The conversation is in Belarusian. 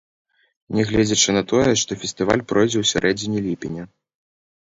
Нягледзячы на тое, што фестываль пройдзе ў сярэдзіне ліпеня.